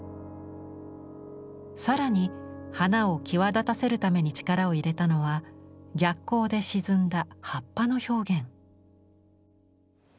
更に花を際立たせるために力を入れたのは逆光で沈んだ葉っぱの表現。